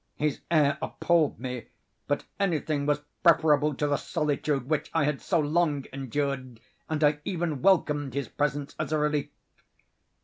His air appalled me—but anything was preferable to the solitude which I had so long endured, and I even welcomed his presence as a relief.